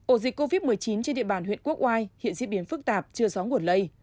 ổ dịch covid một mươi chín trên địa bàn huyện quốc oai hiện diễn biến phức tạp chưa rõ nguồn lây